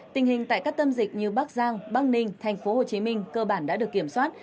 tình hình tại các tâm dịch như bắc giang bắc ninh tp hcm cơ bản đã được kiểm soát